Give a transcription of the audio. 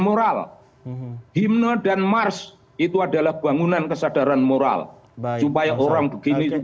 moral himne dan mars itu adalah bangunan kesadaran moral supaya orang begini